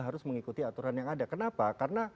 harus mengikuti aturan yang ada kenapa karena